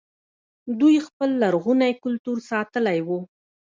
دوی خپل لرغونی کلتور ساتلی و